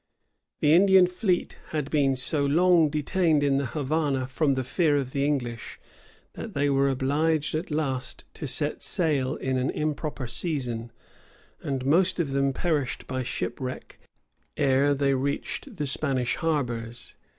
The Indian fleet had been so long detained in the Havana from the fear of the English, that they were obliged at last to set sail in an improper season, and most of them perished by shipwreck ere they reached the Spanish harbors.